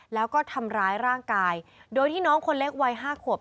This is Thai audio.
แล้วก็ทำร้ายร่างกายโดยที่น้องคนเล็กวัย๕ขวบ